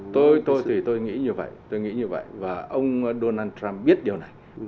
tôi tôi thì tôi nghĩ như vậy tôi nghĩ như vậy và ông donald trump biết điều này